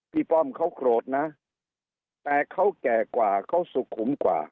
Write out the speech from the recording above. ป้อมเขาโกรธนะแต่เขาแก่กว่าเขาสุขุมกว่า